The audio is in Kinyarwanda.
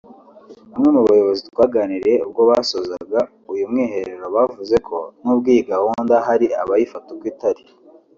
Bamwe mu bayobozi twaganiriye ubwo basozaga uyu mwiherero bavuze ko nubwo iyi gahunda hari abayifata uko itari